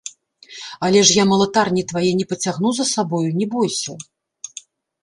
Але ж я малатарні твае не пацягну за сабою, не бойся.